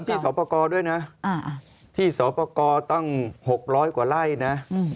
แล้วที่สอปกรด้วยนะที่สอปกรตั้ง๖๐๐กว่าไร่นะ